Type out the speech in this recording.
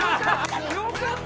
よかった！